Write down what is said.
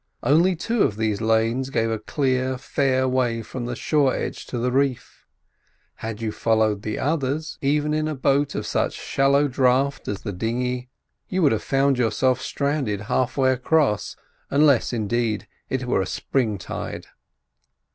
Only two of these lanes gave a clear, fair way from the shore edge to the reef; had you followed the others, even in a boat of such shallow draught as the dinghy, you would have found yourself stranded half way across, unless, indeed, it were a spring tide.